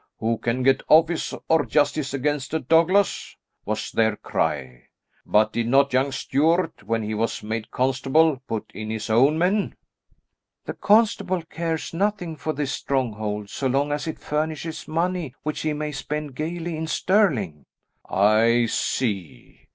Who can get office, or justice against a Douglas? was their cry. But did not young Stuart, when he was made constable, put in his own men?" "The constable cares nothing for this stronghold so long as it furnishes money which he may spend gaily in Stirling." "I see.